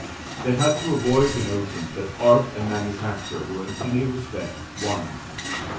They had to avoid the notion that art and manufacture were in any respect one.